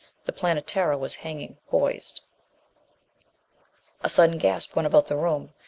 The Planetara was hanging poised. A sudden gasp went about the room.